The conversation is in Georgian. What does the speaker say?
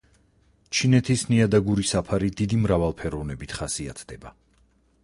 ჩინეთის ნიადაგური საფარი დიდი მრავალფეროვნებით ხასიათდება.